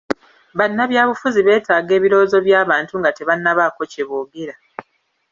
Bannabyabufuzi beetaaga ebirowoozo by'abantu nga tebannabaako kye boogera.